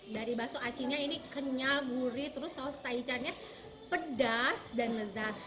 dari bakso acinya ini kenyal gurih terus saus taichannya pedas dan lezat